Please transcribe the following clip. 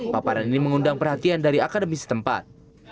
paparan ini mengundang perhatian dari akademis tempat